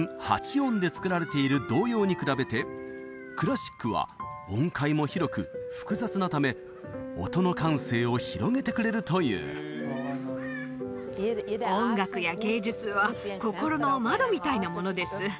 ８音で作られている童謡に比べてクラシックは音階も広く複雑なため音の感性を広げてくれるというみたいなものです